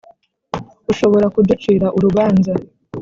Ushobora kuducira urubanza